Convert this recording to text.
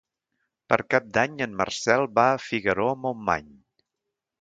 Per Cap d'Any en Marcel va a Figaró-Montmany.